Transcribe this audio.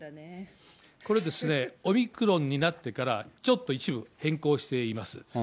これ、オミクロンになってから、ちょっと一部変更しています。